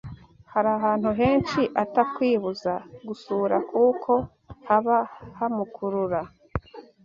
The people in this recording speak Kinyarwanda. hari ahantu henshi atakwibuza gusura kuko haba hamukurura